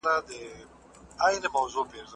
که ته په هر حالت کې شکر وباسې نو خدای به دې نه پریږدي.